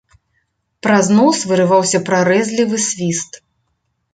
Праз нос вырываўся прарэзлівы свіст.